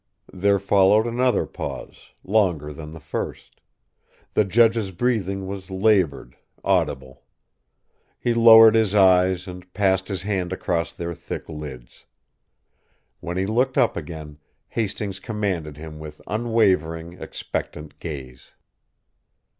There followed another pause, longer than the first. The judge's breathing was laboured, audible. He lowered his eyes and passed his hand across their thick lids. When he looked up again, Hastings commanded him with unwavering, expectant gaze.